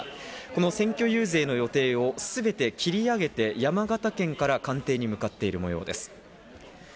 この選挙遊説の予定をすべて切り上げて山形県から官邸に向かっている模様です。